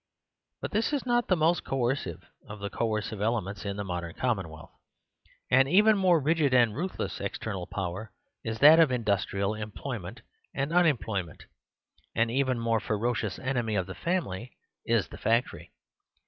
But this is not the most coercive of the coercive elements in the modern commonwealth. An even more rigid and ruthless external power is that of industrial employment and unemployment. An even more ferocious enemy of the family is the factory.